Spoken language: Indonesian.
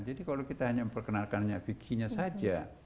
jadi kalau kita hanya memperkenalkan fikihnya saja